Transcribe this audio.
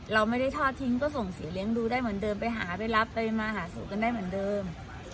เราไม่ได้ทอดทิ้งก็ส่งเสียเลี้ยงดูได้เหมือนเดิมไปหาไปรับไปมาหาสู่กันได้เหมือนเดิม